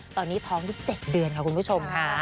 ตอนนี้ท้องได้๗เดือนค่ะคุณผู้ชมค่ะ